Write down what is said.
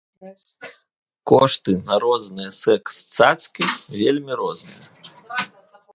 Кошты на секс-цацкі вельмі розныя.